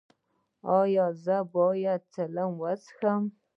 ایا زه باید چلم وڅکوم؟